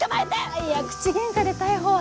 いや口げんかで逮捕は。